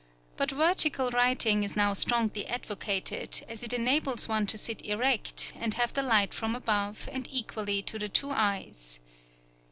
But vertical writing is now strongly advocated, as it enables one to sit erect, and have the light from above and equally to the two eyes.